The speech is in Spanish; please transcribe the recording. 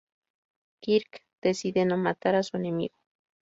Kirk decide no matar a su enemigo.